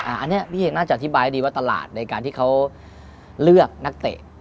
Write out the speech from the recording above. อันนี้พี่น่าจะอธิบายดีว่าตลาดในการที่เขาเลือกนักเตะ